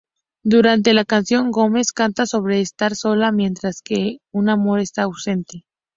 Durante la canción Gomez canta sobre estar sola, mientras que un amor está ausente.